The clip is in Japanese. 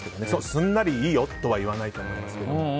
すんなりいいよとは言わないと思いますけど。